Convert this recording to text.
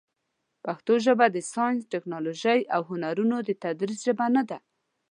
پښتو ژبه د ساینس، ټکنالوژۍ، او هنرونو د تدریس ژبه نه ده.